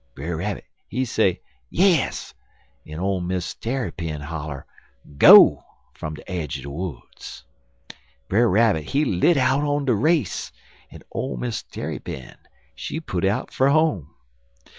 "Brer Rabbit, he say 'yes,' en old Miss Tarrypin holler 'go' fum de aidge er de woods. Brer Rabbit, he lit out on de race, en old Miss Tarrypin, she put out for home.